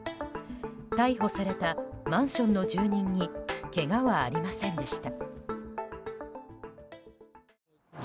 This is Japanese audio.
逮捕されたマンションの住人にけがはありませんでした。